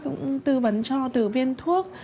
cũng tư vấn cho từ viên thuốc